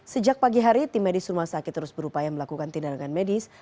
sejak pagi hari tim medis rumah sakit terus berupaya melakukan tindakan medis